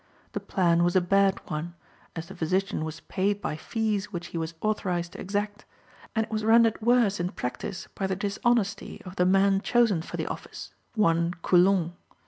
The plan was a bad one, as the physician was paid by fees which he was authorized to exact; and it was rendered worse in practice by the dishonesty of the man chosen for the office, one Coulon.